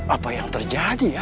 apa yang terjadi ya